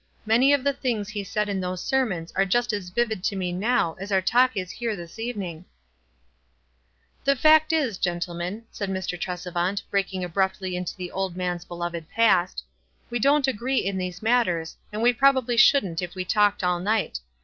Many of the things he said in those sermons are just as vivid to me now as our talk is here this even ing, » WISE AND OTHERWISE. 319 "The fact is, gentlemen," said Mr. Tresevant, breaking abruptly into the old man's beloved past, "we don't agree in these matters, and we probably shouldn't if we talked all night.